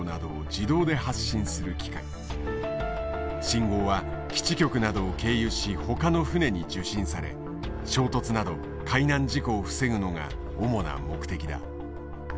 信号は基地局などを経由しほかの船に受信され衝突など海難事故を防ぐのが主な目的だ。